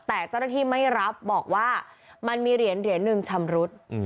แต่เจ้าหน้าที่ไม่รับบอกว่ามันมีเหรียญหนึ่งชำรุด